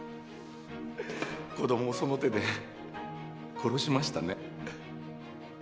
子供をその手で殺しましたね。